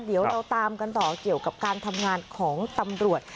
เดี๋ยวเราตามกันต่อเกี่ยวกับการทำงานของตำรวจ